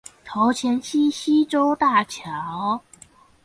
頭前溪溪州大橋